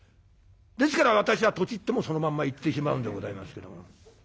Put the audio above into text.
ですから私はとちってもそのまんまいってしまうんでございますけども。